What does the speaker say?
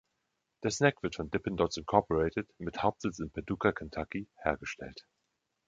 Der Snack wird von Dippin‘ Dots, Incorporated mit Hauptsitz in Paducah, Kentucky, hergestellt.